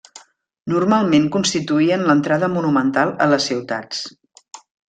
Normalment constituïen l'entrada monumental a les ciutats.